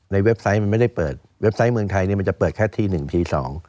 ในเว็บไซต์มันไม่ได้เปิดเว็บไซต์เมืองไทยมันจะเปิดแค่ที๑ที๒